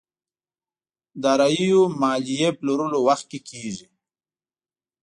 داراییو ماليې پلورلو وخت کې کېږي.